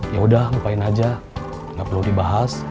yaudah lupain aja gak perlu dibahas